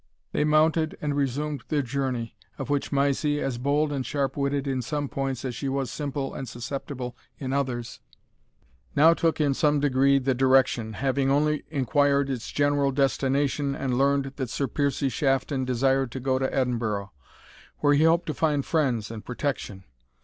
They mounted and resumed their journey, of which Mysie, as bold and sharp witted in some points as she was simple and susceptible in others, now took in some degree the direction, having only inquired its general destination, and learned that Sir Piercie Shafton desired to go to Edinburgh, where he hoped to find friends and protection.